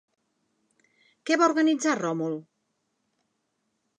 Què va organitzar Ròmul?